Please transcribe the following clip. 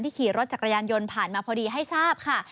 ขี่รถจักรยานยนต์ผ่านมาพอดีให้ทราบค่ะ